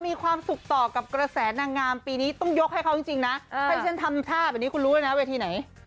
มีความสุขต่อกับกระแสนางงามปีนี้ต้องยกให้เขาจริงนะถ้าที่ฉันทำท่าแบบนี้คุณรู้เลยนะเวทีไหน